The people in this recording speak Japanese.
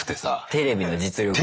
テレビの実力ね。